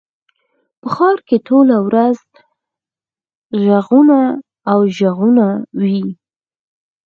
په ښار کښي ټوله ورځ ږغونه او ږغونه يي.